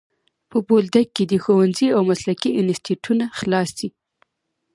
په بولدک کي دي ښوونځی او مسلکي انسټیټونه خلاص سي.